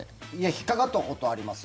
引っかかったことはあります。